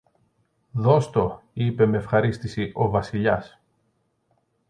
Δώσ' το, είπε μ' ευχαρίστηση ο Βασιλιάς.